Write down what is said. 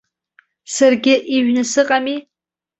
Саргьы ижәны сыҟами.